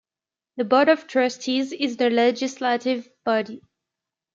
The Board of Trustees is the legislative body.